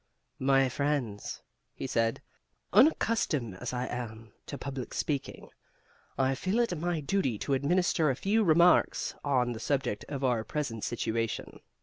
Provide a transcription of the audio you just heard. "My friends" (he said), "unaccustomed as I am to public speaking, I feel it my duty to administer a few remarks on the subject of our present situation.